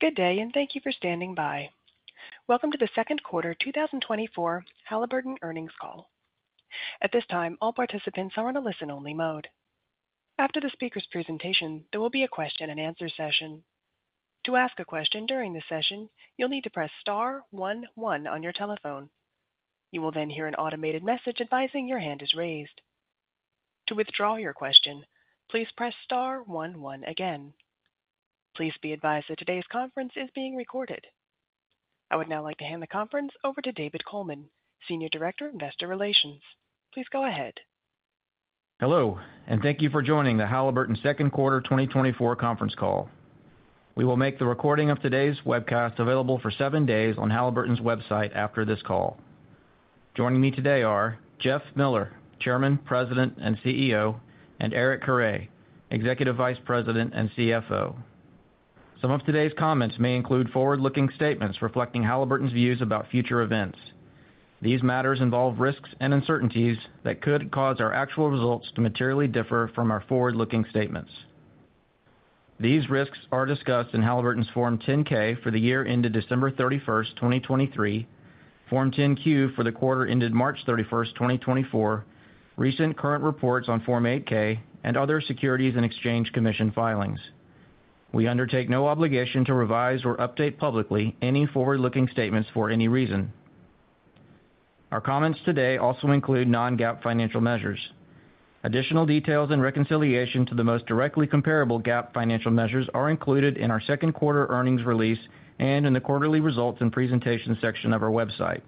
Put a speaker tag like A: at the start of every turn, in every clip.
A: Good day, and thank you for standing by. Welcome to the second quarter 2024 Halliburton earnings call. At this time, all participants are on a listen-only mode. After the speaker's presentation, there will be a question-and-answer session. To ask a question during the session, you'll need to press star one one on your telephone. You will then hear an automated message advising your hand is raised. To withdraw your question, please press star one one again. Please be advised that today's conference is being recorded. I would now like to hand the conference over to David Coleman, Senior Director, Investor Relations. Please go ahead.
B: Hello, and thank you for joining the Halliburton second quarter 2024 conference call. We will make the recording of today's webcast available for seven days on Halliburton's website after this call. Joining me today are Jeff Miller, Chairman, President, and CEO, and Eric Carre, Executive Vice President and CFO. Some of today's comments may include forward-looking statements reflecting Halliburton's views about future events. These matters involve risks and uncertainties that could cause our actual results to materially differ from our forward-looking statements. These risks are discussed in Halliburton's Form 10-K for the year ended December 31st, 2023, Form 10-Q for the quarter ended March 31st, 2024, recent current reports on Form 8-K, and other Securities and Exchange Commission filings. We undertake no obligation to revise or update publicly any forward-looking statements for any reason. Our comments today also include non-GAAP financial measures. Additional details and reconciliation to the most directly comparable GAAP financial measures are included in our second quarter earnings release and in the quarterly results and presentation section of our website.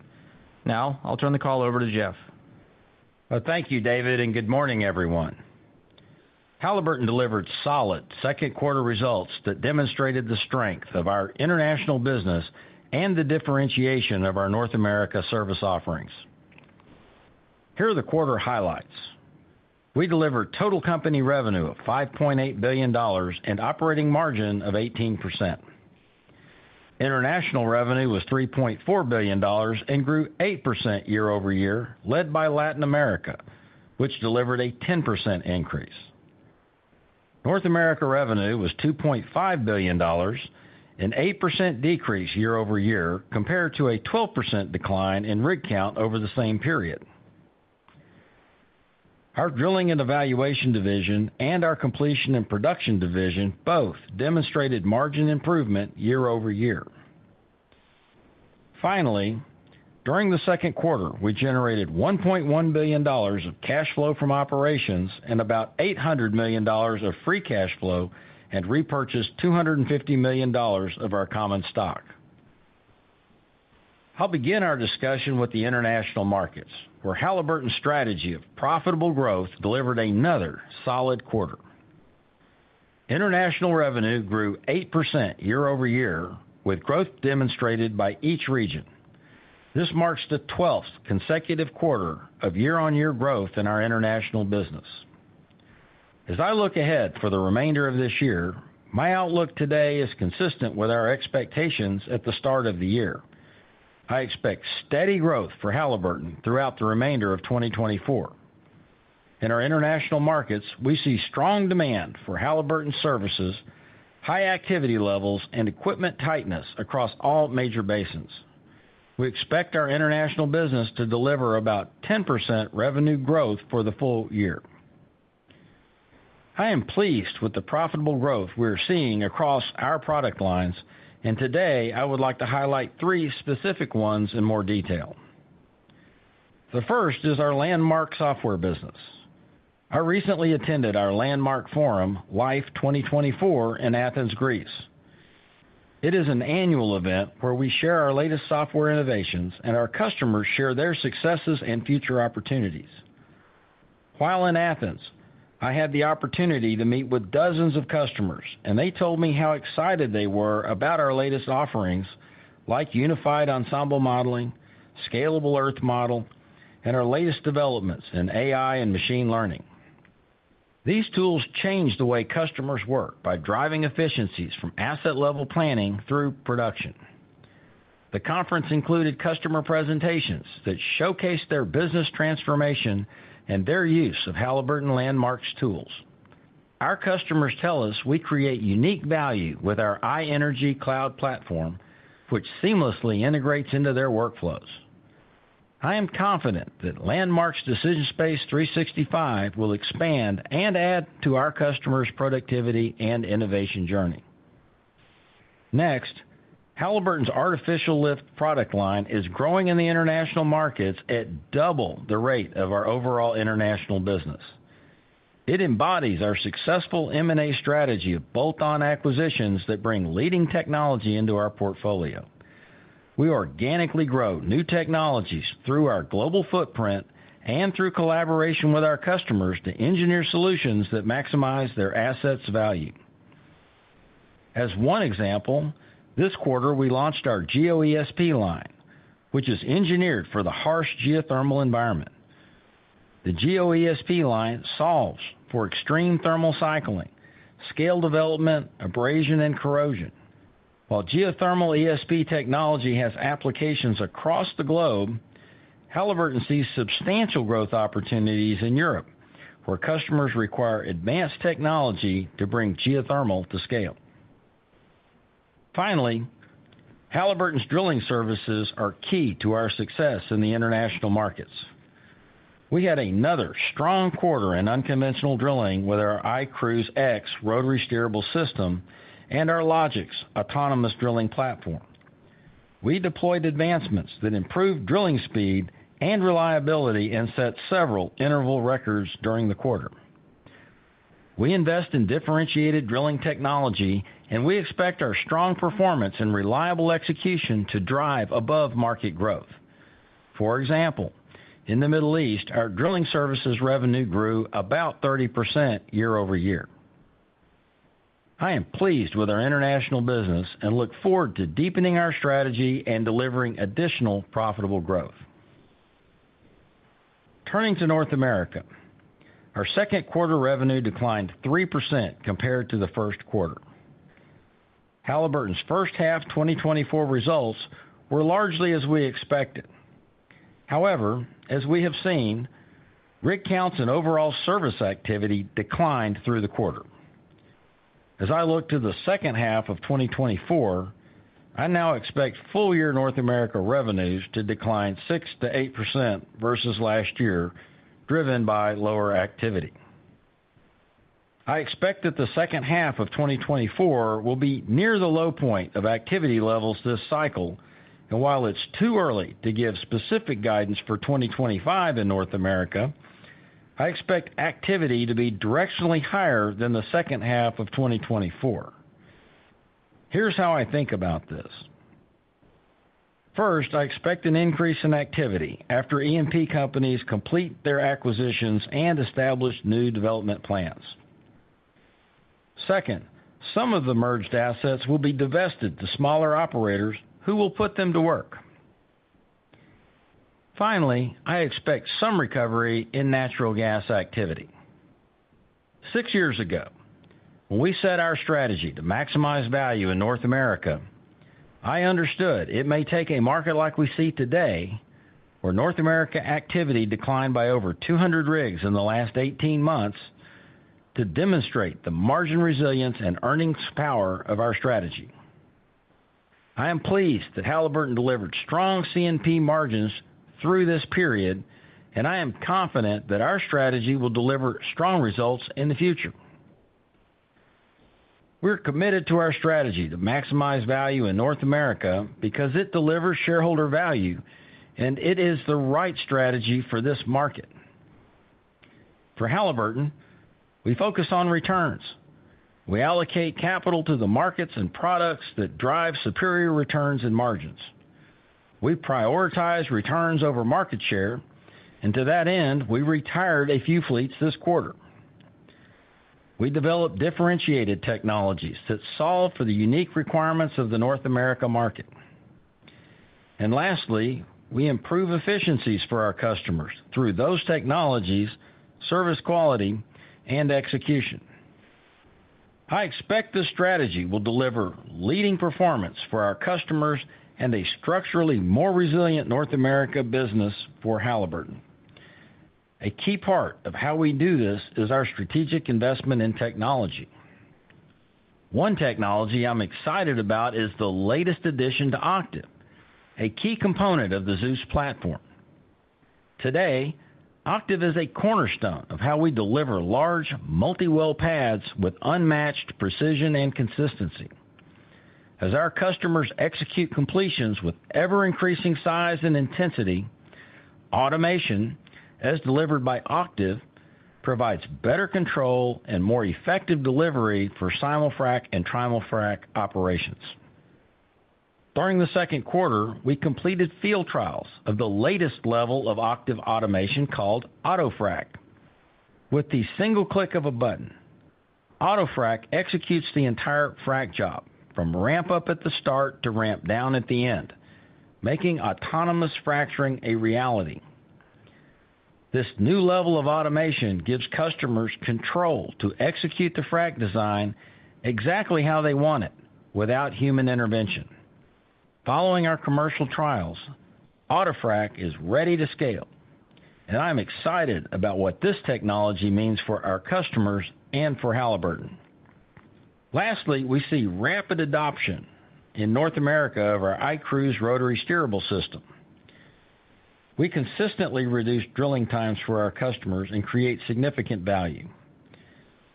B: Now, I'll turn the call over to Jeff.
C: Thank you, David, and good morning, everyone. Halliburton delivered solid second quarter results that demonstrated the strength of our international business and the differentiation of our North America service offerings. Here are the quarter highlights. We delivered total company revenue of $5.8 billion and operating margin of 18%. International revenue was $3.4 billion and grew 8% year-over-year, led by Latin America, which delivered a 10% increase. North America revenue was $2.5 billion, an 8% decrease year-over-year, compared to a 12% decline in rig count over the same period. Our drilling and evaluation division and our completion and production division both demonstrated margin improvement year-over-year. Finally, during the second quarter, we generated $1.1 billion of cash flow from operations and about $800 million of free cash flow and repurchased $250 million of our common stock. I'll begin our discussion with the international markets, where Halliburton's strategy of profitable growth delivered another solid quarter. International revenue grew 8% year-over-year, with growth demonstrated by each region. This marks the 12th consecutive quarter of year-on-year growth in our international business. As I look ahead for the remainder of this year, my outlook today is consistent with our expectations at the start of the year. I expect steady growth for Halliburton throughout the remainder of 2024. In our international markets, we see strong demand for Halliburton services, high activity levels, and equipment tightness across all major basins. We expect our international business to deliver about 10% revenue growth for the full year. I am pleased with the profitable growth we're seeing across our product lines, and today, I would like to highlight three specific ones in more detail. The first is our Landmark software business. I recently attended our Landmark Forum, LIFE 2024, in Athens, Greece. It is an annual event where we share our latest software innovations, and our customers share their successes and future opportunities. While in Athens, I had the opportunity to meet with dozens of customers, and they told me how excited they were about our latest offerings, like Unified Ensemble Modeling, Scalable Earth Model, and our latest developments in AI and machine learning. These tools change the way customers work by driving efficiencies from asset level planning through production. The conference included customer presentations that showcased their business transformation and their use of Halliburton Landmark's tools. Our customers tell us we create unique value with our iEnergy Cloud platform, which seamlessly integrates into their workflows. I am confident that Landmark's DecisionSpace 365 will expand and add to our customers' productivity and innovation journey. Next, Halliburton's artificial lift product line is growing in the international markets at double the rate of our overall international business. It embodies our successful M&A strategy of bolt-on acquisitions that bring leading technology into our portfolio. We organically grow new technologies through our global footprint and through collaboration with our customers to engineer solutions that maximize their assets' value. As one example, this quarter, we launched our GeoESP line, which is engineered for the harsh geothermal environment. The GeoESP line solves for extreme thermal cycling, scale development, abrasion, and corrosion. While geothermal ESP technology has applications across the globe, Halliburton sees substantial growth opportunities in Europe, where customers require advanced technology to bring geothermal to scale. Finally, Halliburton's drilling services are key to our success in the international markets. We had another strong quarter in unconventional drilling with our iCruise X rotary steerable system and our LOGIX's autonomous drilling platform. We deployed advancements that improved drilling speed and reliability, and set several interval records during the quarter. We invest in differentiated drilling technology, and we expect our strong performance and reliable execution to drive above-market growth. For example, in the Middle East, our drilling services revenue grew about 30% year-over-year. I am pleased with our international business and look forward to deepening our strategy and delivering additional profitable growth. Turning to North America, our second quarter revenue declined 3% compared to the first quarter. Halliburton's first half 2024 results were largely as we expected. However, as we have seen, rig counts and overall service activity declined through the quarter. As I look to the second half of 2024, I now expect full year North America revenues to decline 6%-8% versus last year, driven by lower activity. I expect that the second half of 2024 will be near the low point of activity levels this cycle, and while it's too early to give specific guidance for 2025 in North America, I expect activity to be directionally higher than the second half of 2024. Here's how I think about this. First, I expect an increase in activity after E&P companies complete their acquisitions and establish new development plans. Second, some of the merged assets will be divested to smaller operators, who will put them to work. Finally, I expect some recovery in natural gas activity. Six years ago, when we set our strategy to maximize value in North America, I understood it may take a market like we see today, where North America activity declined by over 200 rigs in the last 18 months, to demonstrate the margin resilience and earnings power of our strategy. I am pleased that Halliburton delivered strong C&P margins through this period, and I am confident that our strategy will deliver strong results in the future. We're committed to our strategy to maximize value in North America because it delivers shareholder value, and it is the right strategy for this market. For Halliburton, we focus on returns. We allocate capital to the markets and products that drive superior returns and margins. We prioritize returns over market share, and to that end, we retired a few fleets this quarter. We develop differentiated technologies that solve for the unique requirements of the North America market. Lastly, we improve efficiencies for our customers through those technologies, service quality, and execution. I expect this strategy will deliver leading performance for our customers and a structurally more resilient North America business for Halliburton. A key part of how we do this is our strategic investment in technology. One technology I'm excited about is the latest addition to Octiv, a key component of the Zeus platform. Today, Octiv is a cornerstone of how we deliver large, multi-well pads with unmatched precision and consistency. As our customers execute completions with ever-increasing size and intensity, automation, as delivered by Octiv, provides better control and more effective delivery for simul-frac and trimul-frac operations. During the second quarter, we completed field trials of the latest level of Octiv automation, called Auto Frac. With the single click of a button, Auto Frac executes the entire frac job, from ramp up at the start to ramp down at the end, making autonomous fracturing a reality. This new level of automation gives customers control to execute the frac design exactly how they want it without human intervention. Following our commercial trials, Auto Frac is ready to scale, and I'm excited about what this technology means for our customers and for Halliburton. Lastly, we see rapid adoption in North America of our iCruise rotary steerable system. We consistently reduce drilling times for our customers and create significant value.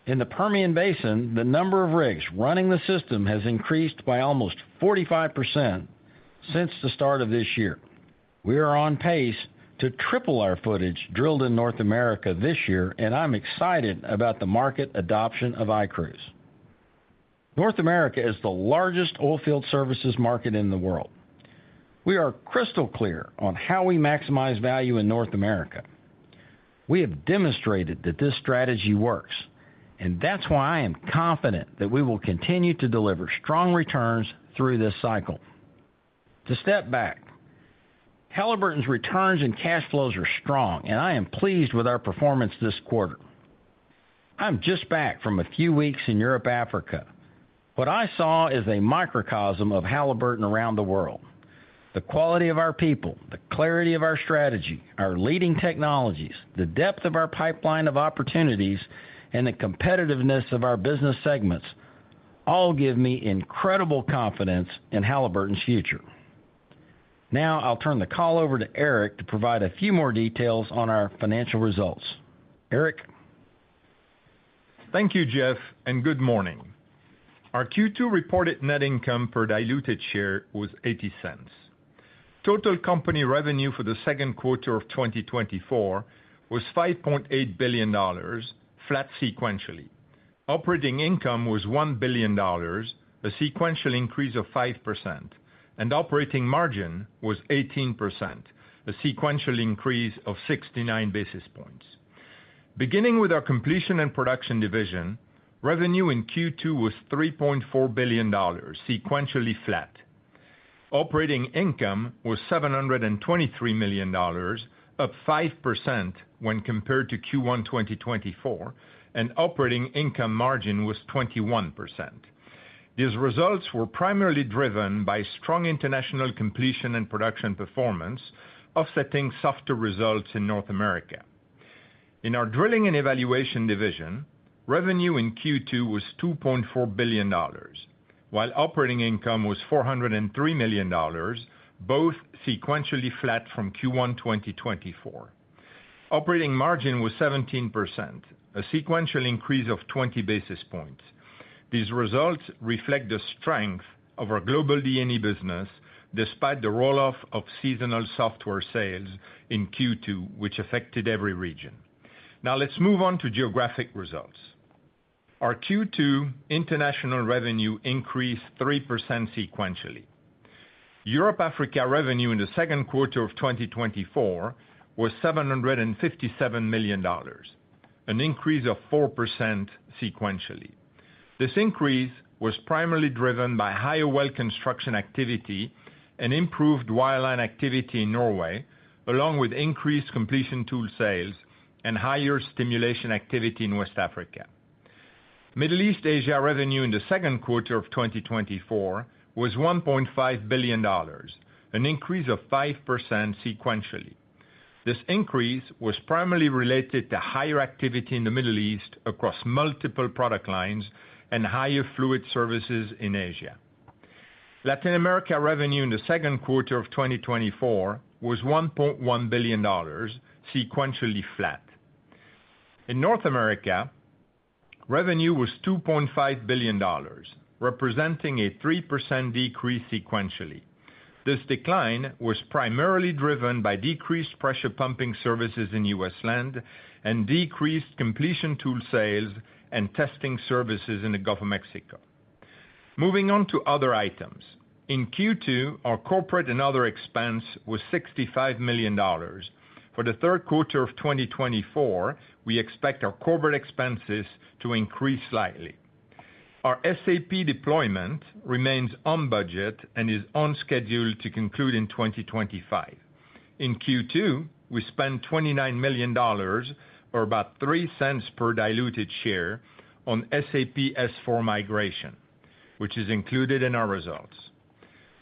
C: In the Permian Basin, the number of rigs running the system has increased by almost 45% since the start of this year. We are on pace to triple our footage drilled in North America this year, and I'm excited about the market adoption of iCruise. North America is the largest oilfield services market in the world. We are crystal clear on how we maximize value in North America. We have demonstrated that this strategy works, and that's why I am confident that we will continue to deliver strong returns through this cycle. To step back, Halliburton's returns and cash flows are strong, and I am pleased with our performance this quarter.... I'm just back from a few weeks in Europe, Africa. What I saw is a microcosm of Halliburton around the world. The quality of our people, the clarity of our strategy, our leading technologies, the depth of our pipeline of opportunities, and the competitiveness of our business segments, all give me incredible confidence in Halliburton's future. Now, I'll turn the call over to Eric to provide a few more details on our financial results. Eric?
D: Thank you, Jeff, and good morning. Our Q2 reported net income per diluted share was $0.80. Total company revenue for the second quarter of 2024 was $5.8 billion, flat sequentially. Operating income was $1 billion, a sequential increase of 5%, and operating margin was 18%, a sequential increase of 69 basis points. Beginning with our completion and production division, revenue in Q2 was $3.4 billion, sequentially flat. Operating income was $723 million, up 5% when compared to Q1 2024, and operating income margin was 21%. These results were primarily driven by strong international completion and production performance, offsetting softer results in North America. In our drilling and evaluation division, revenue in Q2 was $2.4 billion, while operating income was $403 million, both sequentially flat from Q1 2024. Operating margin was 17%, a sequential increase of 20 basis points. These results reflect the strength of our global D&E business, despite the roll-off of seasonal software sales in Q2, which affected every region. Now, let's move on to geographic results. Our Q2 international revenue increased 3% sequentially. Europe-Africa revenue in the second quarter of 2024 was $757 million, an increase of 4% sequentially. This increase was primarily driven by higher well construction activity and improved wireline activity in Norway, along with increased completion tool sales and higher stimulation activity in West Africa. Middle East-Asia revenue in the second quarter of 2024 was $1.5 billion, an increase of 5% sequentially. This increase was primarily related to higher activity in the Middle East across multiple product lines and higher fluid services in Asia. Latin America revenue in the second quarter of 2024 was $1.1 billion, sequentially flat. In North America, revenue was $2.5 billion, representing a 3% decrease sequentially. This decline was primarily driven by decreased pressure pumping services in US land and decreased completion tool sales and testing services in the Gulf of Mexico. Moving on to other items. In Q2, our corporate and other expense was $65 million. For the third quarter of 2024, we expect our corporate expenses to increase slightly. Our SAP deployment remains on budget and is on schedule to conclude in 2025. In Q2, we spent $29 million, or about $0.03 per diluted share, on SAP S4 migration, which is included in our results.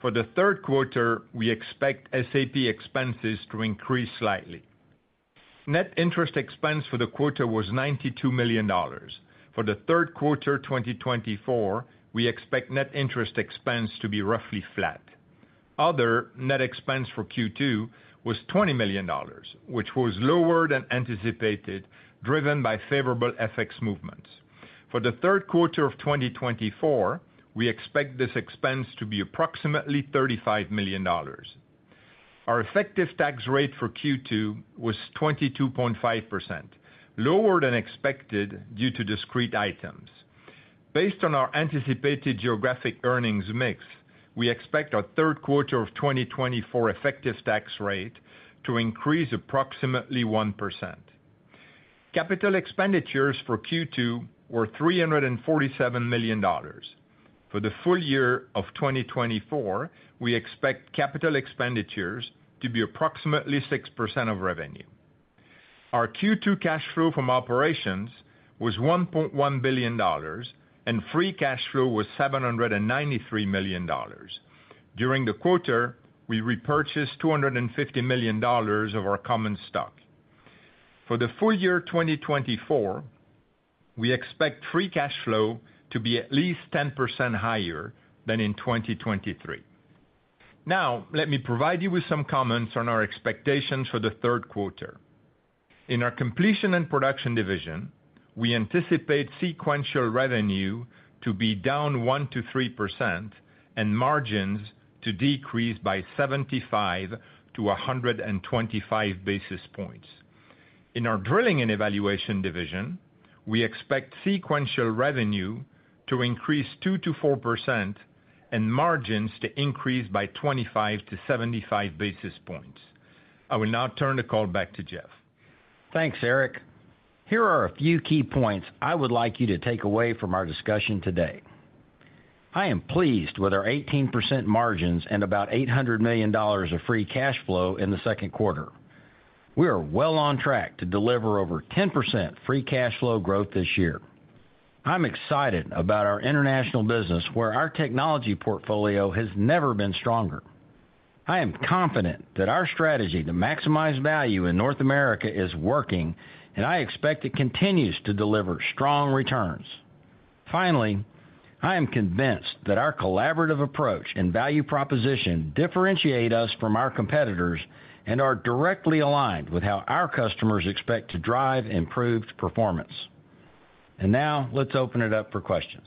D: For the third quarter, we expect SAP expenses to increase slightly. Net interest expense for the quarter was $92 million. For the third quarter, 2024, we expect net interest expense to be roughly flat. Other net expense for Q2 was $20 million, which was lower than anticipated, driven by favorable FX movements. For the third quarter of 2024, we expect this expense to be approximately $35 million. Our effective tax rate for Q2 was 22.5%, lower than expected due to discrete items. Based on our anticipated geographic earnings mix, we expect our third quarter of 2024 effective tax rate to increase approximately 1%. Capital expenditures for Q2 were $347 million. For the full year of 2024, we expect capital expenditures to be approximately 6% of revenue. Our Q2 cash flow from operations was $1.1 billion, and free cash flow was $793 million. During the quarter, we repurchased $250 million of our common stock. For the full year 2024, we expect free cash flow to be at least 10% higher than in 2023. Now, let me provide you with some comments on our expectations for the third quarter. In our completion and production division, we anticipate sequential revenue to be down 1%-3% and margins to decrease by 75-125 basis points. In our drilling and evaluation division, we expect sequential revenue to increase 2%-4% and margins to increase by 25-75 basis points. I will now turn the call back to Jeff.
C: Thanks, Eric. Here are a few key points I would like you to take away from our discussion today.... I am pleased with our 18% margins and about $800 million of free cash flow in the second quarter. We are well on track to deliver over 10% free cash flow growth this year. I'm excited about our international business, where our technology portfolio has never been stronger. I am confident that our strategy to maximize value in North America is working, and I expect it continues to deliver strong returns. Finally, I am convinced that our collaborative approach and value proposition differentiate us from our competitors and are directly aligned with how our customers expect to drive improved performance. Now, let's open it up for questions.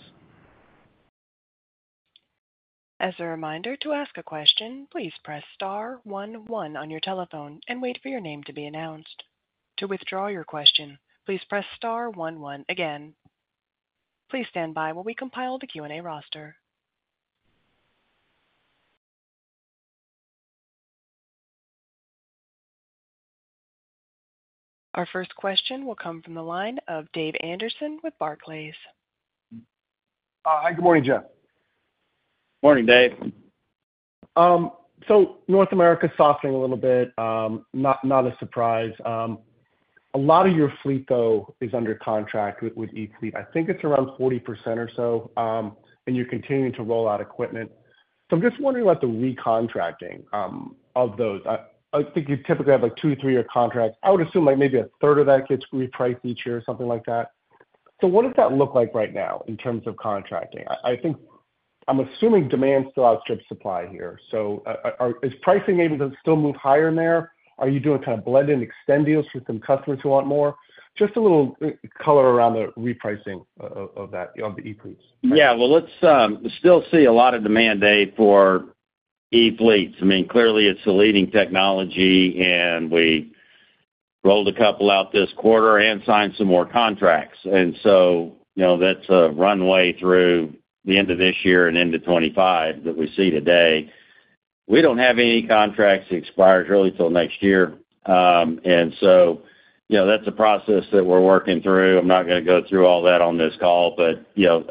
A: As a reminder, to ask a question, please press star one, one on your telephone and wait for your name to be announced. To withdraw your question, please press star one one again. Please stand by while we compile the Q&A roster. Our first question will come from the line of Dave Anderson with Barclays.
E: Hi, good morning, Jeff.
C: Morning, Dave.
E: So North America is softening a little bit, not a surprise. A lot of your fleet, though, is under contract with e-fleet. I think it's around 40% or so, and you're continuing to roll out equipment. So I'm just wondering about the recontracting of those. I think you typically have, like, two to three year contracts. I would assume, like, maybe a third of that gets repriced each year or something like that. So what does that look like right now in terms of contracting? I think I'm assuming demand still outstrips supply here. So, is pricing able to still move higher in there? Are you doing kind of blend and extend deals with some customers who want more? Just a little color around the repricing of that, of the e-fleets.
C: Yeah, well, let's still see a lot of demand, Dave, for e-fleets. I mean, clearly it's the leading technology, and we rolled a couple out this quarter and signed some more contracts. And so, you know, that's a runway through the end of this year and into 2025 that we see today. We don't have any contracts to expire really till next year. And so, you know, that's a process that we're working through. I'm not going to go through all that on this call, but, you know,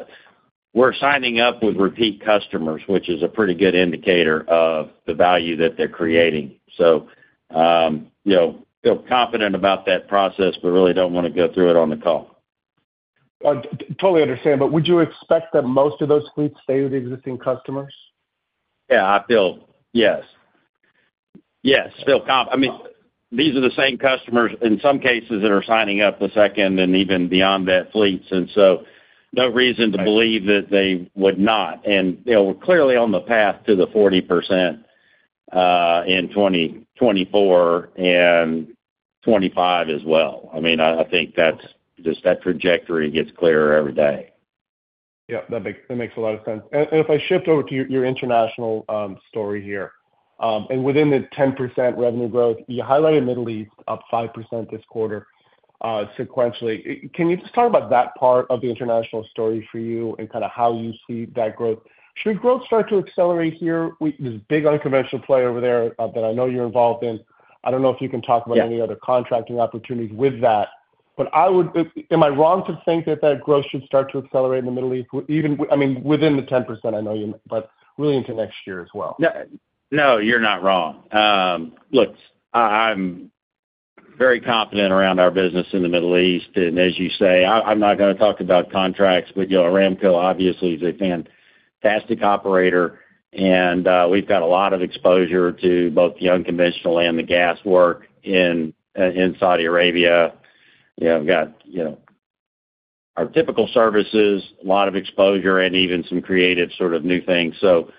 C: we're signing up with repeat customers, which is a pretty good indicator of the value that they're creating. So, you know, feel confident about that process, but really don't want to go through it on the call.
E: I totally understand, but would you expect that most of those fleets stay with existing customers?
C: Yeah, I feel confident. Yes. Yes, I mean, these are the same customers, in some cases, that are signing up the second and even beyond that, fleets, and so no reason to believe that they would not. And, you know, we're clearly on the path to the 40% in 2024 and 2025 as well. I mean, I think that's just that trajectory gets clearer every day.
E: Yeah, that makes, that makes a lot of sense. And if I shift over to your international story here, and within the 10% revenue growth, you highlighted Middle East up 5% this quarter, sequentially. Can you just talk about that part of the international story for you and kind of how you see that growth? Should growth start to accelerate here? There's a big unconventional play over there that I know you're involved in. I don't know if you can talk about-
C: Yeah...
E: any other contracting opportunities with that, but I would— am I wrong to think that that growth should start to accelerate in the Middle East, even, I mean, within the 10%, I know you, but really into next year as well?
C: No, no, you're not wrong. Look, I, I'm very confident around our business in the Middle East, and as you say, I, I'm not going to talk about contracts, but, you know, Aramco obviously is a fantastic operator, and, we've got a lot of exposure to both the unconventional and the gas work in, in Saudi Arabia. You know, we've got, you know, our typical services, a lot of exposure and even some creative sort of new things. So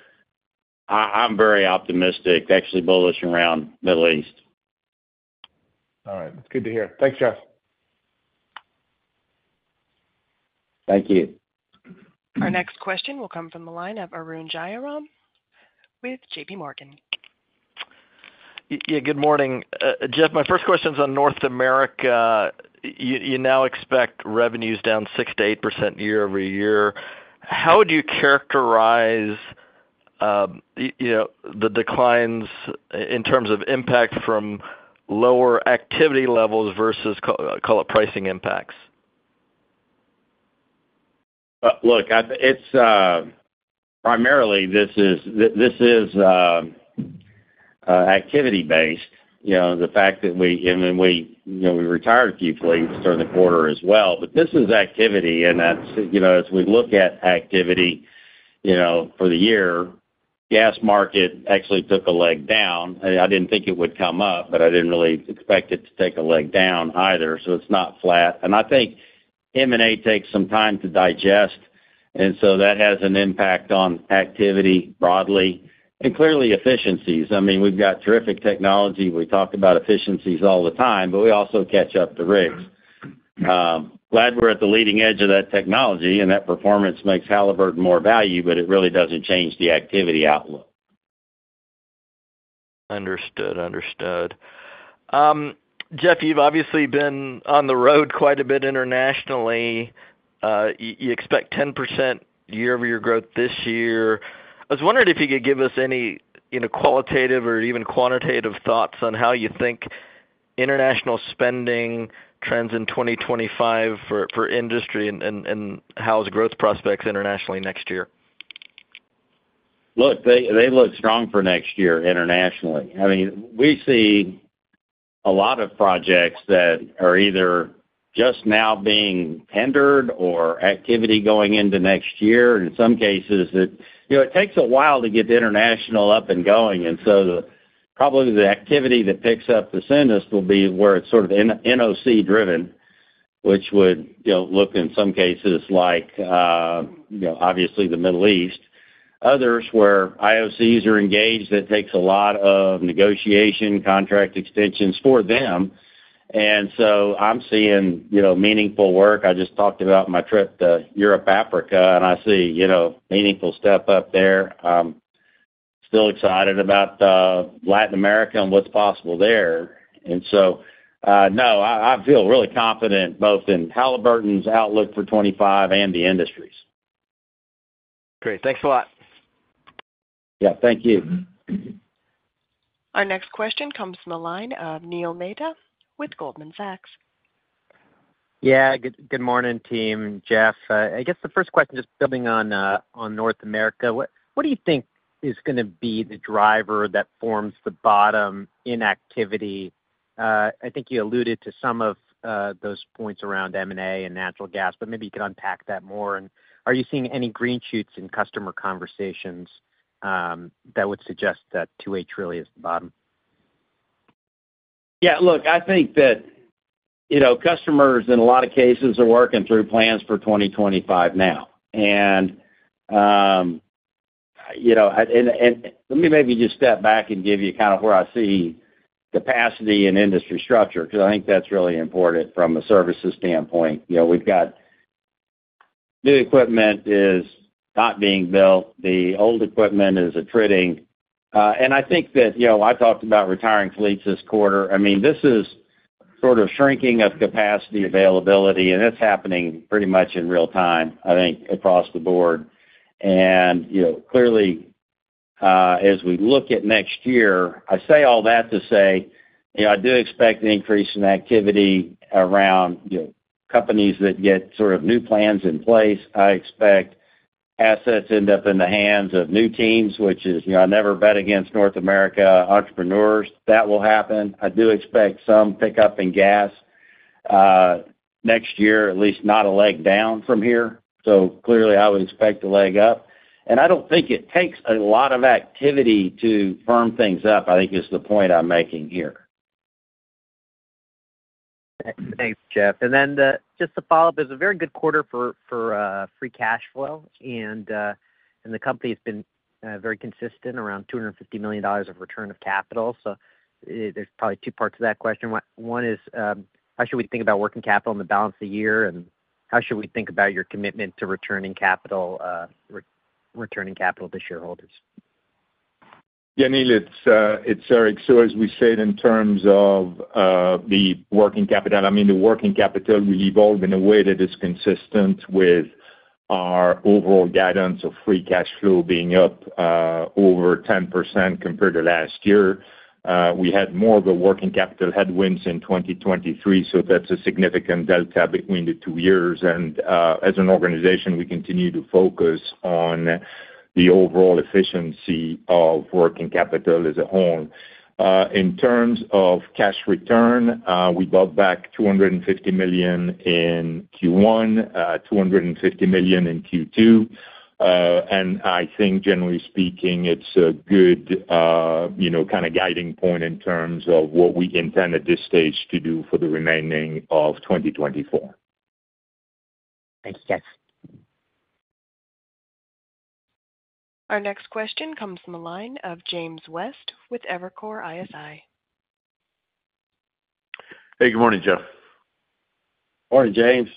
C: I, I'm very optimistic, actually bullish around Middle East.
E: All right. That's good to hear. Thanks, Jeff.
C: Thank you.
A: Our next question will come from the line of Arun Jayaram with JPMorgan.
F: Yeah, good morning. Jeff, my first question is on North America. You now expect revenues down 6%-8% year-over-year. How would you characterize, you know, the declines in terms of impact from lower activity levels versus call it, pricing impacts?
C: Look, it's primarily activity-based, you know, the fact that we, and then we, you know, we retired a few fleets during the quarter as well. But this is activity, and that's, you know, as we look at activity, you know, for the year, gas market actually took a leg down. I didn't think it would come up, but I didn't really expect it to take a leg down either, so it's not flat. And I think M&A takes some time to digest, and so that has an impact on activity broadly and clearly efficiencies. I mean, we've got terrific technology. We talk about efficiencies all the time, but we also catch up to rigs. Glad we're at the leading edge of that technology, and that performance makes Halliburton more value, but it really doesn't change the activity outlook.
F: Understood. Understood. Jeff, you've obviously been on the road quite a bit internationally. You expect 10% year-over-year growth this year. I was wondering if you could give us any, you know, qualitative or even quantitative thoughts on how you think international spending trends in 2025 for industry and how's growth prospects internationally next year?
C: Look, they, they look strong for next year internationally. I mean, we see a lot of projects that are either just now being tendered or activity going into next year. In some cases, it, you know, it takes a while to get international up and going, and so the, probably the activity that picks up the soonest will be where it's sort of NOC driven, which would, you know, look, in some cases like, you know, obviously, the Middle East. Others, where IOCs are engaged, that takes a lot of negotiation, contract extensions for them. And so I'm seeing, you know, meaningful work. I just talked about my trip to Europe, Africa, and I see, you know, meaningful stuff up there. Still excited about Latin America and what's possible there. So, no, I feel really confident both in Halliburton's outlook for 2025 and the industries.
F: Great. Thanks a lot.
C: Yeah, thank you.
A: Our next question comes from the line of Neil Mehta with Goldman Sachs.
G: Yeah, good morning, team. Jeff, I guess the first question, just building on North America. What do you think is gonna be the driver that forms the bottom in activity? I think you alluded to some of those points around M&A and natural gas, but maybe you could unpack that more. Are you seeing any green shoots in customer conversations that would suggest that $2.8 trillion is the bottom?
C: Yeah, look, I think that, you know, customers, in a lot of cases, are working through plans for 2025 now. And, you know, and, and let me maybe just step back and give you kind of where I see capacity and industry structure, 'cause I think that's really important from a services standpoint. You know, we've got new equipment is not being built, the old equipment is attriting. And I think that, you know, I talked about retiring fleets this quarter. I mean, this is sort of shrinking of capacity availability, and it's happening pretty much in real time, I think, across the board. And, you know, clearly, as we look at next year, I say all that to say, you know, I do expect an increase in activity around, you know, companies that get sort of new plans in place. I expect assets end up in the hands of new teams, which is, you know, I never bet against North America entrepreneurs. That will happen. I do expect some pickup in gas next year, at least not a leg down from here. So clearly, I would expect a leg up. And I don't think it takes a lot of activity to firm things up, I think is the point I'm making here.
G: Thanks, Jeff. And then, just to follow up, it's a very good quarter for free cash flow, and the company has been very consistent around $250 million of return of capital. So there's probably two parts to that question. One is how should we think about working capital in the balance of the year, and how should we think about your commitment to returning capital to shareholders?
D: Yeah, Neil, it's Eric. So as we said, in terms of the working capital, I mean, the working capital will evolve in a way that is consistent with our overall guidance of free cash flow being up over 10% compared to last year. We had more of the working capital headwinds in 2023, so that's a significant delta between the two years. And as an organization, we continue to focus on the overall efficiency of working capital as a whole. In terms of cash return, we bought back $250 million in Q1, $250 million in Q2. And I think generally speaking, it's a good, you know, kind of guiding point in terms of what we intend at this stage to do for the remaining of 2024.
G: Thanks, Jeff.
A: Our next question comes from the line of James West with Evercore ISI.
H: Hey, good morning, Jeff.
C: Morning, James.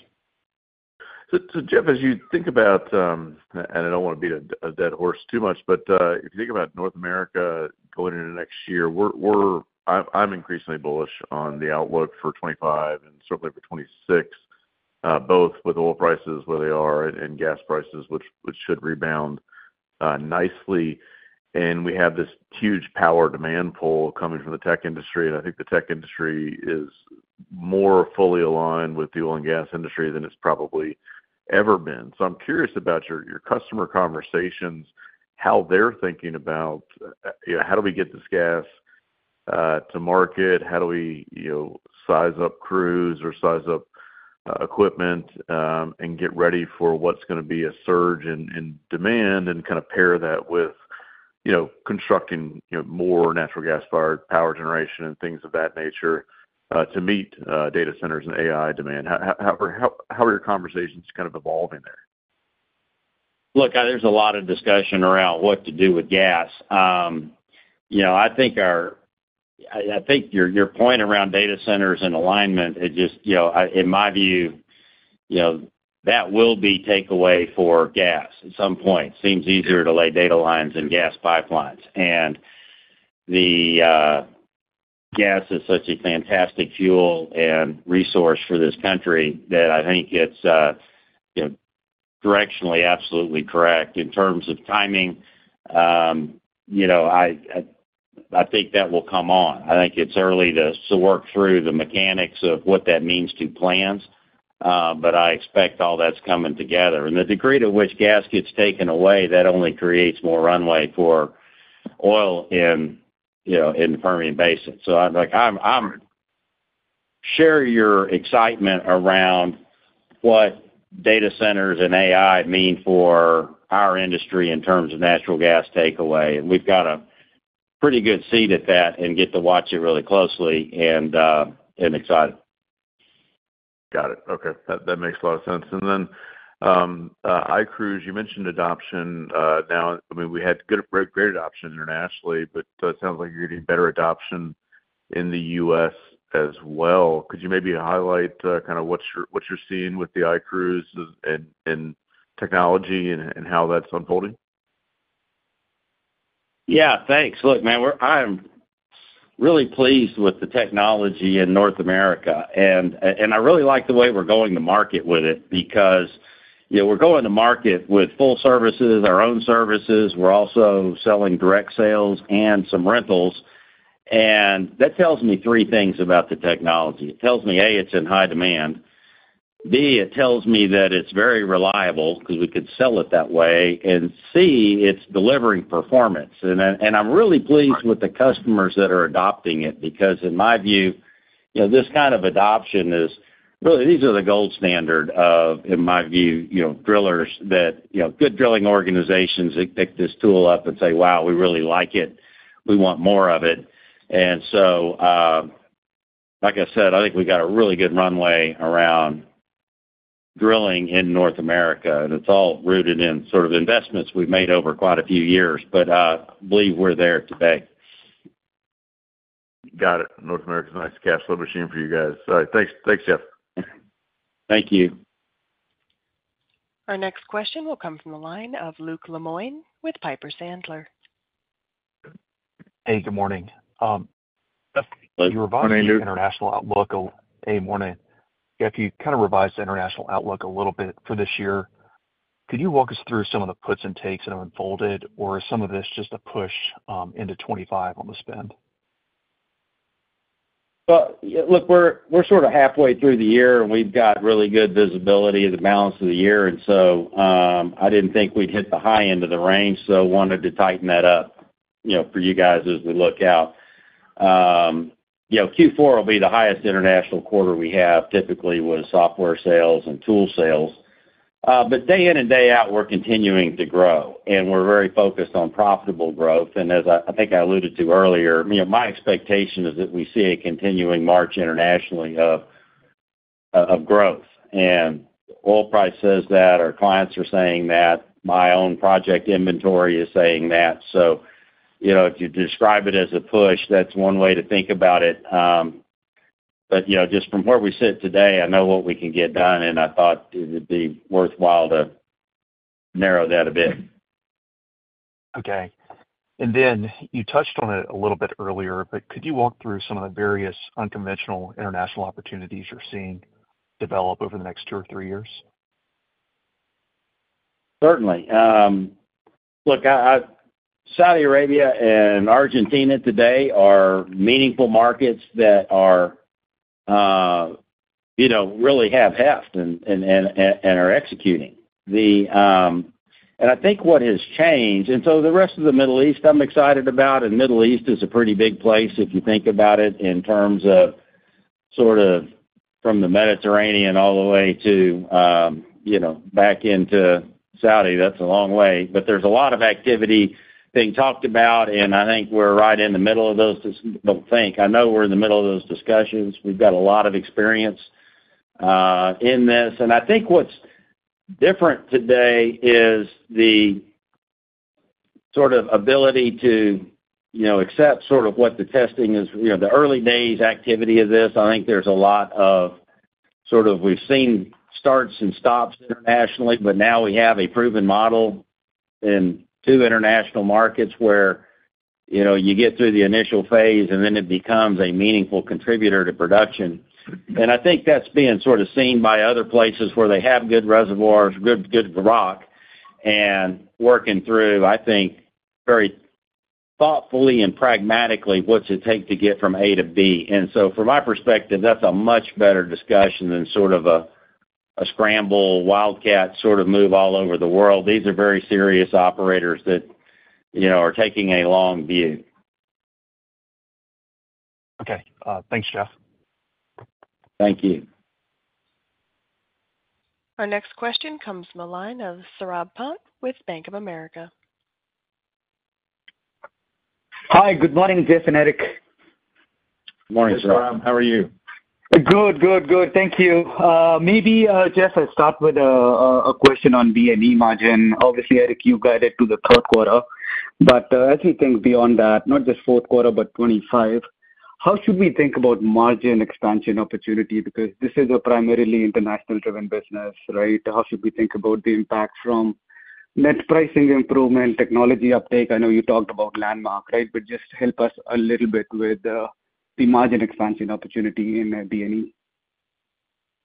H: So, Jeff, as you think about, and I don't wanna beat a dead horse too much, but if you think about North America going into next year, we're increasingly bullish on the outlook for 2025 and certainly for 2026, both with oil prices where they are and gas prices, which should rebound nicely. And we have this huge power demand pull coming from the tech industry, and I think the tech industry is more fully aligned with the oil and gas industry than it's probably ever been. So I'm curious about your customer conversations, how they're thinking about, you know, how do we get this gas to market? How do we, you know, size up crews or size up equipment and get ready for what's gonna be a surge in demand and kind of pair that with, you know, constructing, you know, more natural gas-fired power generation and things of that nature to meet data centers and AI demand? How are your conversations kind of evolving there?
C: Look, there's a lot of discussion around what to do with gas. You know, I think your point around data centers and alignment, it just, you know, in my view, you know, that will be takeaway for gas at some point. Seems easier to lay data lines than gas pipelines. And the gas is such a fantastic fuel and resource for this country that I think it's, you know, directionally, absolutely correct. In terms of timing, you know, I think that will come on. I think it's early to work through the mechanics of what that means to plans, but I expect all that's coming together. And the degree to which gas gets taken away, that only creates more runway for oil in, you know, in the Permian Basin. So I'm like, share your excitement around what data centers and AI mean for our industry in terms of natural gas takeaway. And we've got a pretty good seat at that and get to watch it really closely, and I'm excited.
H: Got it. Okay. That makes a lot of sense. And then, iCruise, you mentioned adoption now. I mean, we had good, great adoption internationally, but it sounds like you're getting better adoption in the U.S. as well. Could you maybe highlight kind of what you're seeing with the iCruise and technology and how that's unfolding?
C: Yeah, thanks. Look, man, we're—I'm really pleased with the technology in North America. And, and I really like the way we're going to market with it, because, you know, we're going to market with full services, our own services. We're also selling direct sales and some rentals, and that tells me three things about the technology. It tells me, A, it's in high demand. B, it tells me that it's very reliable, 'cause we could sell it that way. And C, it's delivering performance. And then, and I'm really pleased with the customers that are adopting it, because in my view, you know, this kind of adoption is, really, these are the gold standard of, in my view, you know, drillers that, you know, good drilling organizations that pick this tool up and say, "Wow, we really like it. We want more of it." And so, like I said, I think we got a really good runway around drilling in North America, and it's all rooted in sort of investments we've made over quite a few years, but believe we're there today.
H: Got it. North America is a nice cash flow machine for you guys. All right, thanks. Thanks, Jeff.
C: Thank you.
A: Our next question will come from the line of Luke Lemoine with Piper Sandler.
I: Hey, good morning. Jeff-
C: Good morning, Luke.
I: You revised the international outlook... Hey, morning. Jeff, you kind of revised the international outlook a little bit for this year. Could you walk us through some of the puts and takes that have unfolded, or is some of this just a push into 2025 on the spend?
C: Well, yeah, look, we're sort of halfway through the year, and we've got really good visibility in the balance of the year. And so, I didn't think we'd hit the high end of the range, so wanted to tighten that up, you know, for you guys as we look out. You know, Q4 will be the highest international quarter we have, typically with software sales and tool sales. But day in and day out, we're continuing to grow, and we're very focused on profitable growth. And as I think I alluded to earlier, you know, my expectation is that we see a continuing march internationally of growth. And oil price says that. Our clients are saying that. My own project inventory is saying that. So, you know, if you describe it as a push, that's one way to think about it. But, you know, just from where we sit today, I know what we can get done, and I thought it would be worthwhile to narrow that a bit.
I: Okay. And then you touched on it a little bit earlier, but could you walk through some of the various unconventional international opportunities you're seeing develop over the next two or three years?
C: Certainly. Look, Saudi Arabia and Argentina today are meaningful markets that are, you know, really have heft and are executing. And I think what has changed, and so the rest of the Middle East, I'm excited about, and Middle East is a pretty big place, if you think about it, in terms of sort of from the Mediterranean all the way to, you know, back into Saudi. That's a long way. But there's a lot of activity being talked about, and I think we're right in the middle of those, don't think. I know we're in the middle of those discussions. We've got a lot of experience in this. And I think what's different today is the sort of ability to, you know, accept sort of what the testing is, you know, the early days activity of this. I think there's a lot of sort of we've seen starts and stops internationally, but now we have a proven model in two international markets where, you know, you get through the initial phase, and then it becomes a meaningful contributor to production. I think that's being sort of seen by other places where they have good reservoirs, good, good rock, and working through, I think, very thoughtfully and pragmatically, what's it take to get from A to B. So from my perspective, that's a much better discussion than sort of a scramble, wildcat, sort of move all over the world. These are very serious operators that, you know, are taking a long view.
I: Okay. Thanks, Jeff.
C: Thank you.
A: Our next question comes from the line of Saurabh Pant with Bank of America.
J: Hi, good morning, Jeff and Eric.
C: Good morning, Saurabh. How are you?
J: Good, good, good. Thank you. Maybe, Jeff, I'll start with a question on D&E margin. Obviously, Eric, you guided to the third quarter, but as you think beyond that, not just fourth quarter, but 2025, how should we think about margin expansion opportunity? Because this is a primarily international-driven business, right? How should we think about the impact from net pricing improvement, technology uptake. I know you talked about Landmark, right? But just help us a little bit with the margin expansion opportunity in D&E.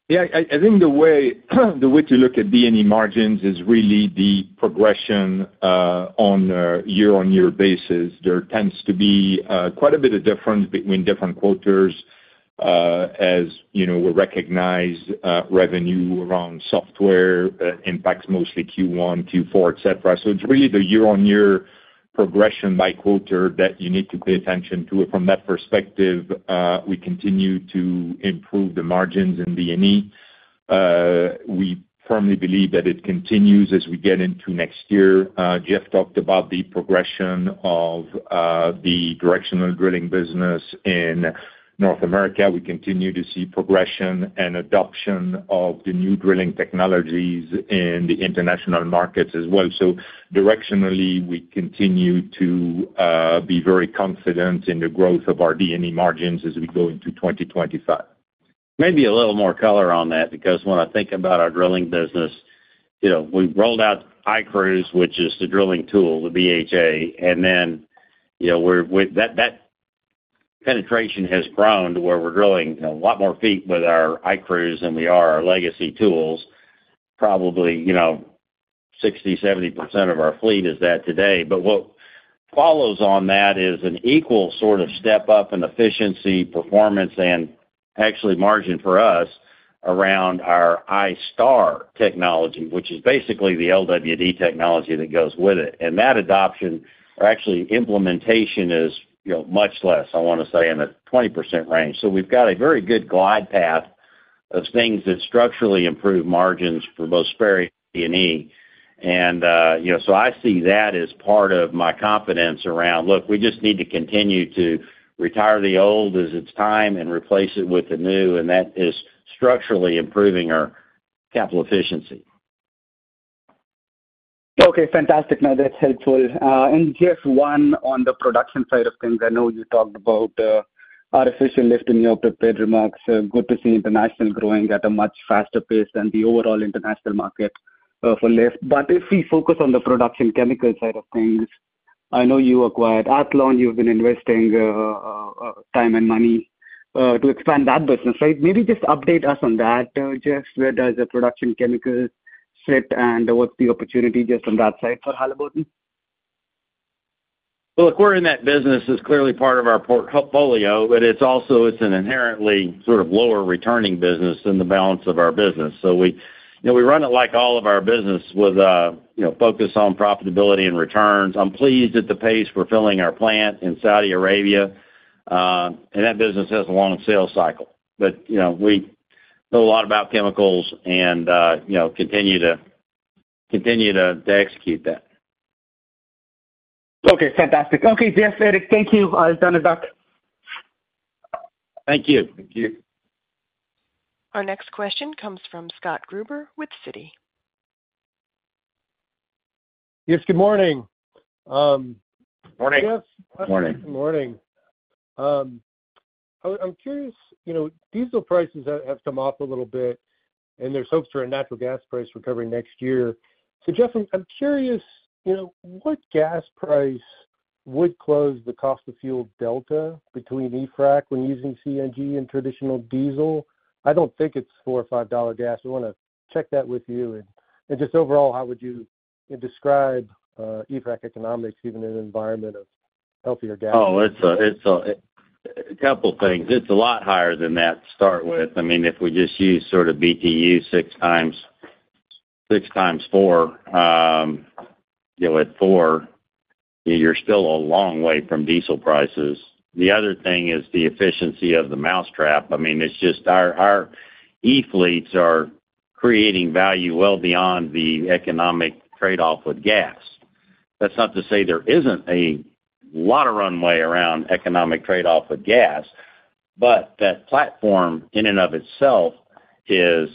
D: Yeah, I think the way to look at D&E margins is really the progression on a year-on-year basis. There tends to be quite a bit of difference between different quarters, as you know, we recognize revenue around software impacts mostly Q1, Q4, et cetera. So it's really the year-on-year progression by quarter that you need to pay attention to. From that perspective, we continue to improve the margins in D&E. We firmly believe that it continues as we get into next year. Jeff talked about the progression of the directional drilling business in North America. We continue to see progression and adoption of the new drilling technologies in the international markets as well. So directionally, we continue to be very confident in the growth of our D&E margins as we go into 2025.
C: Maybe a little more color on that, because when I think about our drilling business, you know, we've rolled out iCruise, which is the drilling tool, the BHA. And then, you know, we're with that, that penetration has grown to where we're drilling a lot more feet with our iCruise than we are our legacy tools. Probably, you know, 60%-70% of our fleet is that today. But what follows on that is an equal sort of step up in efficiency, performance, and actually margin for us around our iStar technology, which is basically the LWD technology that goes with it. And that adoption, or actually implementation is, you know, much less, I want to say, in the 20% range. So we've got a very good glide path of things that structurally improve margins for both D&E. And, you know, so I see that as part of my confidence around, look, we just need to continue to retire the old as it's time and replace it with the new, and that is structurally improving our capital efficiency.
J: Okay, fantastic. No, that's helpful. And just one on the production side of things. I know you talked about artificial lift in your prepared remarks. Good to see international growing at a much faster pace than the overall international market for lift. But if we focus on the production chemical side of things, I know you acquired Athlon, you've been investing time and money to expand that business, right? Maybe just update us on that, Jeff. Where does the production chemical sit, and what's the opportunity just on that side for Halliburton?
C: Well, look, we're in that business. It's clearly part of our portfolio, but it's also, it's an inherently sort of lower returning business than the balance of our business. So we, you know, we run it like all of our business with, you know, focus on profitability and returns. I'm pleased at the pace we're filling our plant in Saudi Arabia, and that business has a long sales cycle. But, you know, we know a lot about chemicals and, you know, continue to execute that. Okay, fantastic. Okay, Jeff, Eric, thank you. Done and back. Thank you.
D: Thank you.
A: Our next question comes from Scott Gruber with Citi.
K: Yes, good morning.
C: Morning.
D: Morning.
K: Good morning. I'm curious, you know, diesel prices have come off a little bit, and there's hopes for a natural gas price recovery next year. So Jeff, I'm curious, you know, what gas price would close the cost of fuel delta between eFrac when using CNG and traditional diesel? I don't think it's $4 or $5 gas. I wanna check that with you. And just overall, how would you describe eFrac economics, even in an environment of healthier gas?
C: Oh, it's a couple things. It's a lot higher than that to start with. I mean, if we just use sort of BTU 6x, 6x4, you know, at four, you're still a long way from diesel prices. The other thing is the efficiency of the mousetrap. I mean, it's just our e-fleets are creating value well beyond the economic trade-off with gas. That's not to say there isn't a lot of runway around economic trade-off with gas, but that platform, in and of itself, is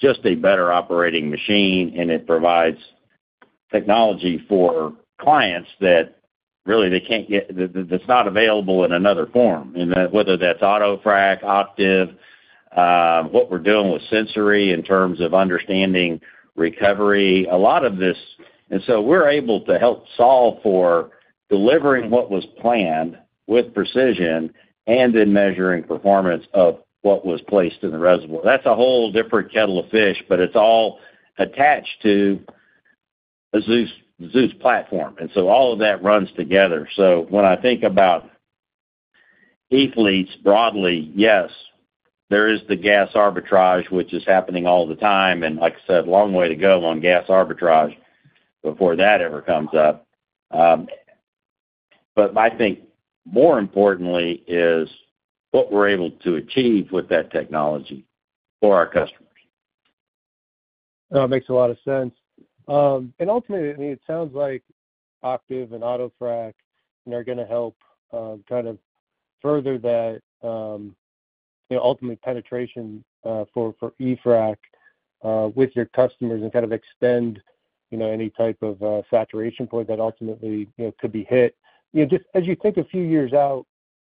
C: just a better operating machine, and it provides technology for clients that really they can't get - that, that's not available in another form. And that whether that's Auto Frac, Octiv, what we're doing with Sensori in terms of understanding recovery, a lot of this, and so we're able to help solve for delivering what was planned with precision and in measuring performance of what was placed in the reservoir. That's a whole different kettle of fish, but it's all attached to a Zeus, Zeus platform, and so all of that runs together. So when I think about e-fleets broadly, yes, there is the gas arbitrage, which is happening all the time, and like I said, long way to go on gas arbitrage before that ever comes up. But I think more importantly is what we're able to achieve with that technology for our customers.
K: No, it makes a lot of sense. And ultimately, I mean, it sounds like Octiv and AutoFrac are gonna help, kind of further that, you know, ultimate penetration, for, for eFrac, with your customers and kind of extend, you know, any type of, saturation point that ultimately, you know, could be hit. You know, just as you think a few years out,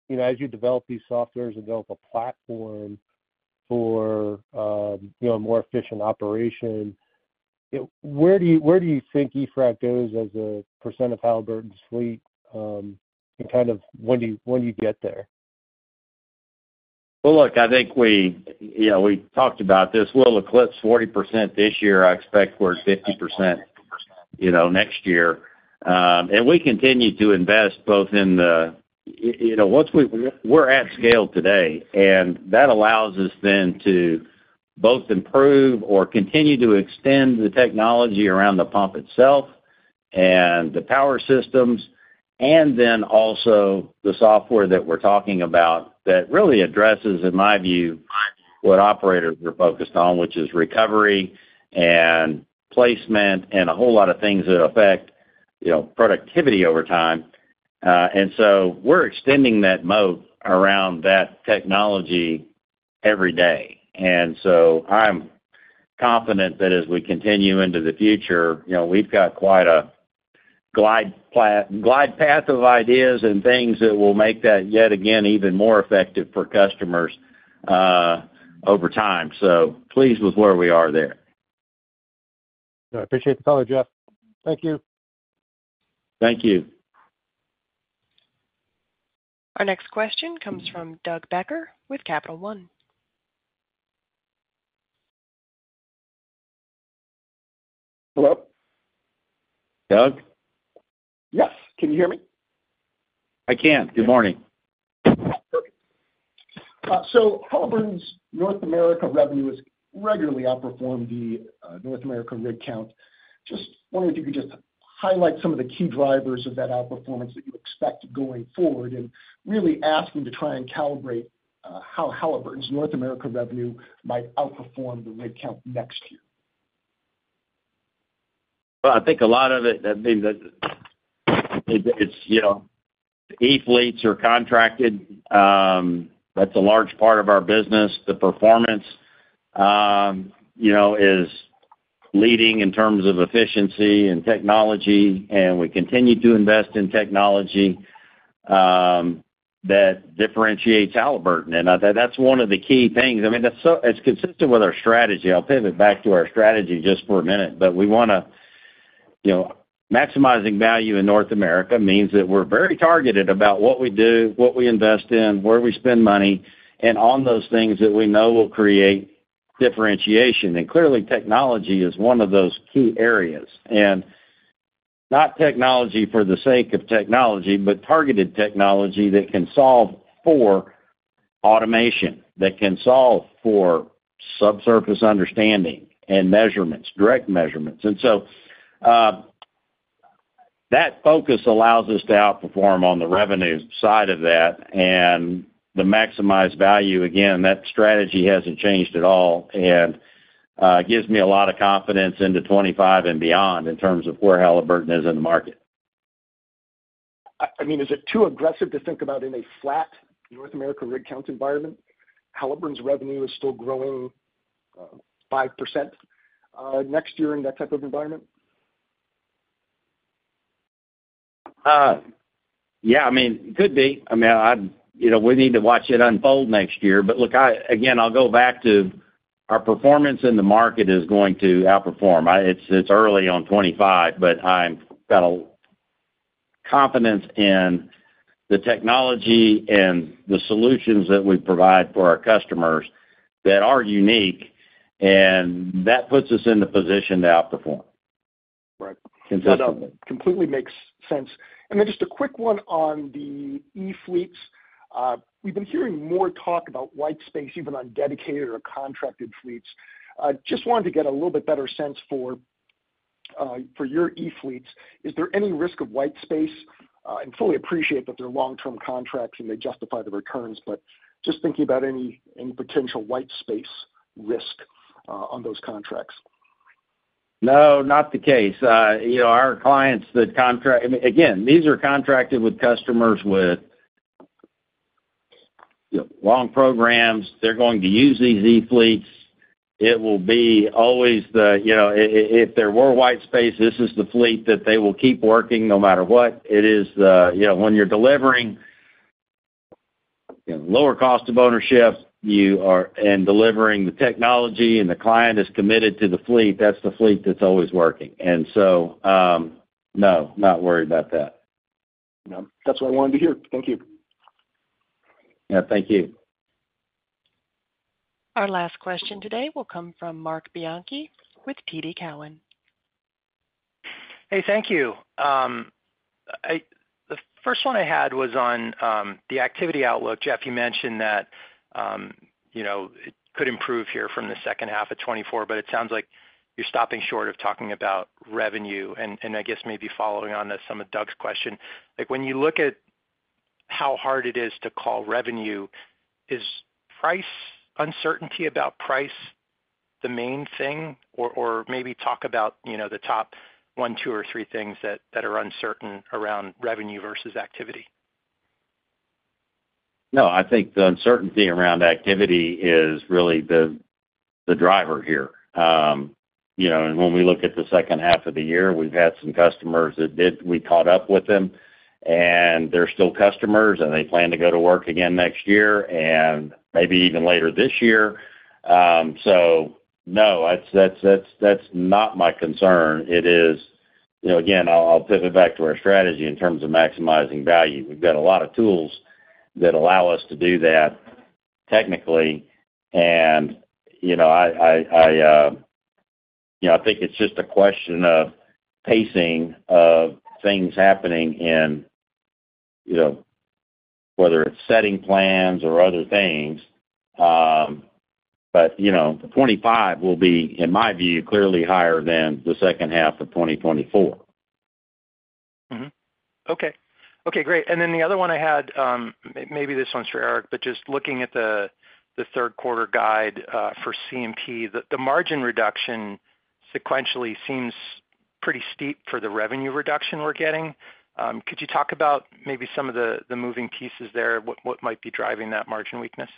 K: you know, as you develop these softwares and develop a platform for, you know, more efficient operation. Where do you, where do you think eFrac goes as a percent of Halliburton's fleet, and kind of when do you, when do you get there?
C: Well, look, I think we, you know, we talked about this. We'll eclipse 40% this year. I expect we're at 50%, you know, next year. And we continue to invest both in the, you, you know, once we-- we're at scale today, and that allows us then to both improve or continue to extend the technology around the pump itself and the power systems, and then also the software that we're talking about that really addresses, in my view, what operators are focused on, which is recovery and placement, and a whole lot of things that affect, you know, productivity over time. And so we're extending that moat around that technology every day. And so I'm confident that as we continue into the future, you know, we've got quite a glide path of ideas and things that will make that, yet again, even more effective for customers, over time. So pleased with where we are there.
K: I appreciate the color, Jeff. Thank you.
C: Thank you.
A: Our next question comes from Doug Becker with Capital One.
L: Hello?
C: Doug?
L: Yes, can you hear me?
C: I can. Good morning.
L: Perfect. So Halliburton's North America revenue has regularly outperformed the North America rig count. Just wondering if you could just highlight some of the key drivers of that outperformance that you expect going forward, and really asking to try and calibrate how Halliburton's North America revenue might outperform the rig count next year.
C: Well, I think a lot of it, I mean, the, it- it's, you know, e-fleets are contracted. That's a large part of our business. The performance, you know, is leading in terms of efficiency and technology, and we continue to invest in technology that differentiates Halliburton. And I think that's one of the key things. I mean, that's so it's consistent with our strategy. I'll pivot back to our strategy just for a minute, but we wanna, you know, maximizing value in North America means that we're very targeted about what we do, what we invest in, where we spend money, and on those things that we know will create differentiation. And clearly, technology is one of those key areas. And not technology for the sake of technology, but targeted technology that can solve for automation, that can solve for subsurface understanding and measurements, direct measurements. And so, that focus allows us to outperform on the revenue side of that and the maximized value. Again, that strategy hasn't changed at all, and gives me a lot of confidence into 2025 and beyond in terms of where Halliburton is in the market.
L: I mean, is it too aggressive to think about in a flat North America rig count environment, Halliburton's revenue is still growing 5% next year in that type of environment?
C: Yeah, I mean, could be. I mean, I, you know, we need to watch it unfold next year. But look, I—again, I'll go back to our performance in the market is going to outperform. I—It's, it's early on 2025, but I've got a confidence in the technology and the solutions that we provide for our customers that are unique, and that puts us in the position to outperform.
L: Right.
C: Consistently.
L: That completely makes sense. And then just a quick one on the e-fleets. We've been hearing more talk about white space, even on dedicated or contracted fleets. I just wanted to get a little bit better sense for your e-fleets. Is there any risk of white space? And fully appreciate that they're long-term contracts, and they justify the returns, but just thinking about any potential white space risk on those contracts.
C: No, not the case. You know, our clients that contract—I mean, again, these are contracted with customers with, you know, long programs. They're going to use these e-fleets. It will be always the, you know, if there were white space, this is the fleet that they will keep working no matter what. It is the, you know, when you're delivering, you know, lower cost of ownership, you are—and delivering the technology, and the client is committed to the fleet, that's the fleet that's always working. And so, no, not worried about that.
L: No, that's what I wanted to hear. Thank you.
C: Yeah, thank you.
A: Our last question today will come from Mark Bianchi with TD Cowen.
M: Hey, thank you. The first one I had was on the activity outlook. Jeff, you mentioned that you know, it could improve here from the second half of 2024, but it sounds like you're stopping short of talking about revenue. And I guess maybe following on some of Doug's question, like, when you look at how hard it is to call revenue, is price, uncertainty about price, the main thing? Or maybe talk about you know, the top one, two, or three things that are uncertain around revenue versus activity.
C: No, I think the uncertainty around activity is really the driver here. You know, and when we look at the second half of the year, we've had some customers that did, we caught up with them, and they're still customers, and they plan to go to work again next year and maybe even later this year. So no, that's not my concern. It is, you know, again, I'll pivot back to our strategy in terms of maximizing value. We've got a lot of tools that allow us to do that technically, and, you know, I think it's just a question of pacing, of things happening in, you know, whether it's setting plans or other things. But, you know, 2025 will be, in my view, clearly higher than the second half of 2024.
M: Mm-hmm. Okay. Okay, great. And then the other one I had, maybe this one's for Eric, but just looking at the, the third quarter guide, for C&P, the, the margin reduction sequentially seems pretty steep for the revenue reduction we're getting. Could you talk about maybe some of the, the moving pieces there? What, what might be driving that margin weakness?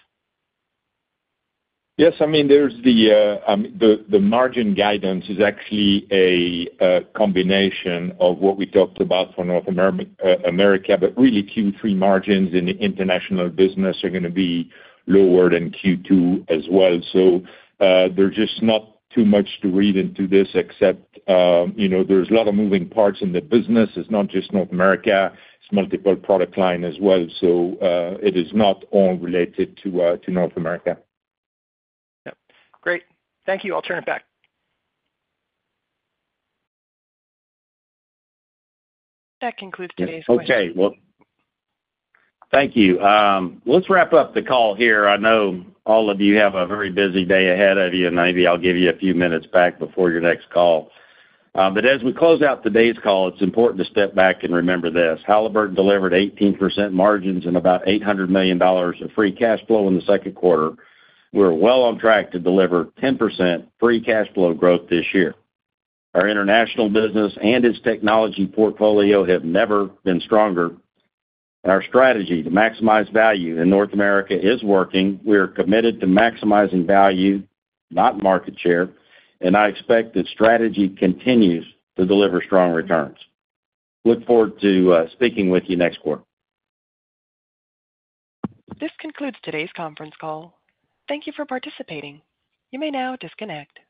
D: Yes, I mean, there's the margin guidance is actually a combination of what we talked about for North America, but really, Q3 margins in the international business are gonna be lower than Q2 as well. So, there's just not too much to read into this, except, you know, there's a lot of moving parts in the business. It's not just North America, it's multiple product line as well, so, it is not all related to North America.
M: Yep. Great. Thank you. I'll turn it back.
A: That concludes today's call.
C: Okay. Well, thank you. Let's wrap up the call here. I know all of you have a very busy day ahead of you, and maybe I'll give you a few minutes back before your next call. But as we close out today's call, it's important to step back and remember this: Halliburton delivered 18% margins and about $800 million of free cash flow in the second quarter. We're well on track to deliver 10% free cash flow growth this year. Our international business and its technology portfolio have never been stronger, and our strategy to maximize value in North America is working. We are committed to maximizing value, not market share, and I expect that strategy continues to deliver strong returns. Look forward to speaking with you next quarter.
A: This concludes today's conference call. Thank you for participating. You may now disconnect.